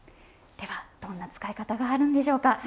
ではどんな使い方があるんでしょうか。